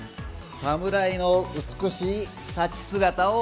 侍の美しい立ち姿を目指す。